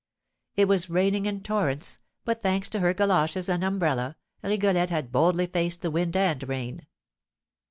It was raining in torrents, but, thanks to her goloshes and umbrella, Rigolette had boldly faced the wind and rain.